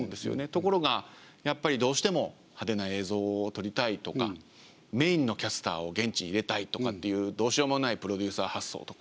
ところがやっぱりどうしても派手な映像を撮りたいとかメインのキャスターを現地に入れたいとかっていうどうしようもないプロデューサー発想とか。